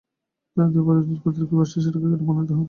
তিনি দুইবার উইজডেন কর্তৃক বর্ষসেরা ক্রিকেটার মনোনীত হন।